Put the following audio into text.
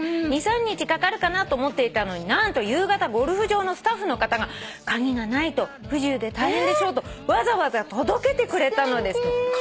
「２３日かかるかなと思っていたのに何と夕方ゴルフ場のスタッフの方が『鍵がないと不自由で大変でしょ』とわざわざ届けてくれたのです」